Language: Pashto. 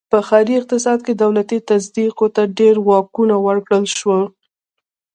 په ښاري اقتصاد کې دولتي تصدیو ته ډېر واکونه ورکړل شول.